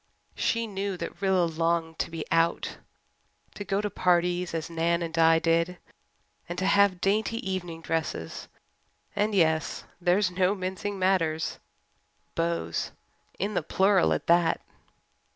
She knew that Rilla longed to be "out" to go to parties as Nan and Di did, and to have dainty evening dresses and yes, there is no mincing matters beaux! In the plural, at that!